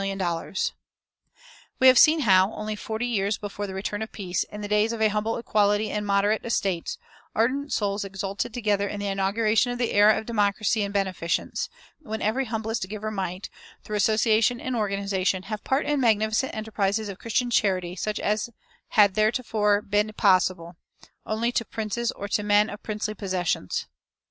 [359:1] We have seen how, only forty years before the return of peace, in the days of a humble equality in moderate estates, ardent souls exulted together in the inauguration of the era of democracy in beneficence, when every humblest giver might, through association and organization, have part in magnificent enterprises of Christian charity such as had theretofore been possible "only to princes or to men of princely possessions."